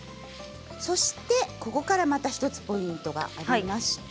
ここからまた１つポイントがあります。